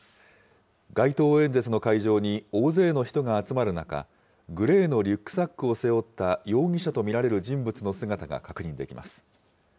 街頭演説の会場に大勢の人が集まる中、グレーのリュックサックを背負った容疑者と見られる人物の姿が確認できます。